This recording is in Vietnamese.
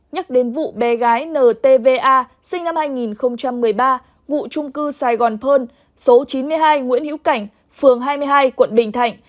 nhắc đến vụ bé gái ntva sinh năm hai nghìn một mươi ba ngụ trung cư sài gòn pơn số chín mươi hai nguyễn hữu cảnh phường hai mươi hai quận bình thạnh